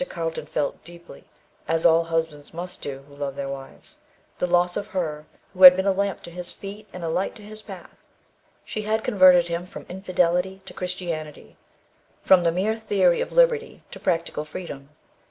Carlton felt deeply, as all husbands must who love their wives, the loss of her who had been a lamp to his feet, and a light to his path. She had converted him from infidelity to Christianity; from the mere theory of liberty to practical freedom.